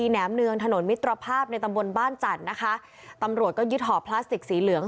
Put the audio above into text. แหมเนืองถนนมิตรภาพในตำบลบ้านจันทร์นะคะตำรวจก็ยึดห่อพลาสติกสีเหลือง